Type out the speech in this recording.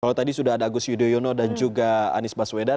kalau tadi sudah ada agus yudhoyono dan juga anies baswedan